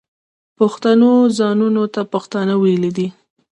پښتنو ځانونو ته پښتانه ویلي دي.